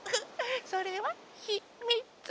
それはひみつ。